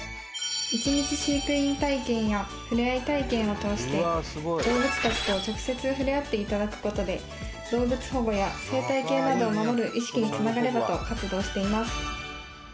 １日飼育員体験やふれあい体験を通して動物たちと直接ふれあっていただくことで動物保護や生態系などを守る意識につながればと活動しています